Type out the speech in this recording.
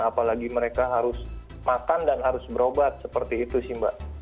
apalagi mereka harus makan dan harus berobat seperti itu sih mbak